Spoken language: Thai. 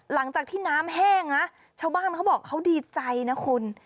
หลังจากที่น้ำแห้งนะชาวบ้านเขาบอกเขาดีใจนะคุณ